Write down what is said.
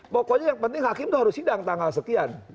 pokoknya yang penting hakim itu harus sidang tanggal sekian